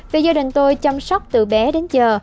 vì gia đình tôi chăm sóc từ bé đến giờ